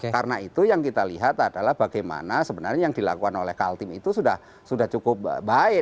karena itu yang kita lihat adalah bagaimana sebenarnya yang dilakukan oleh kaltim itu sudah cukup baik